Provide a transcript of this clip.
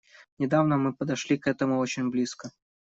Недавно мы подошли к этому очень близко.